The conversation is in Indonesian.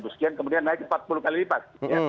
sekian kemudian naik empat puluh kali lipat